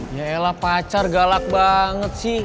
yaelah pacar galak banget sih